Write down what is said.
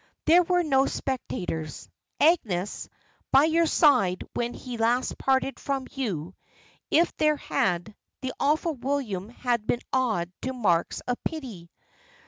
There were no spectators, Agnes, by your side when last he parted from you: if there had, the awful William had been awed to marks of pity.